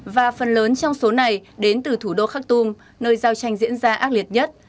và phần lớn trong số này đến từ thủ đô khak tum nơi giao tranh diễn ra ác liệt nhất